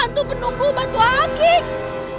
hantu penunggu batu akik